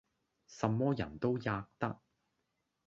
什麼人都喫得。